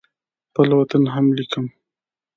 خپل وطن هم لیکم.